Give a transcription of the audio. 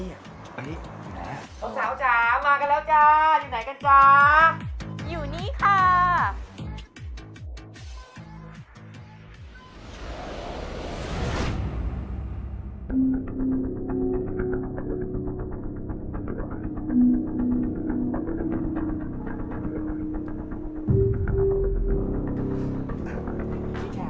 สาวจ้ามากันแล้วจ้าอยู่ไหนกันจ้า